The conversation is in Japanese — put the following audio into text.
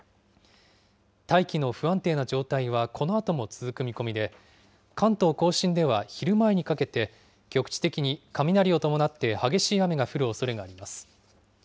大気の不安定な状態はこのあとも続く見込みで、関東甲信では昼前にかけて、局地的に雷を伴って激しい雨が降るおそれがあります。